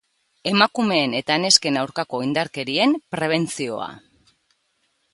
Emakumeen eta nesken aurkako indarkerien prebentzioa.